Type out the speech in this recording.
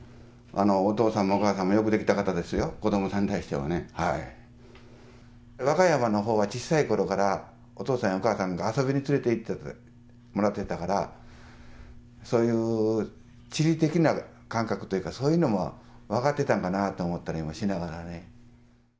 お父さんもお母さんもよくできた方ですよ、子どもさんに対してはね。和歌山のほうは、小さいころからお父さんやお母さんに遊びに連れていってもらってたから、そういう地理的な感覚というか、そういうのも分かってたんかなとも思ったりしながらね。